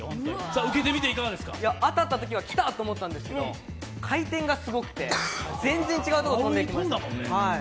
当たったときは来たって思ったんですけど回転がすごくて全然違うとこ飛んでった。